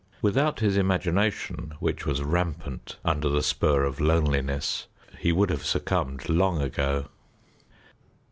Without his imagination, which was rampant under the spur of loneliness, he would have succumbed long ago.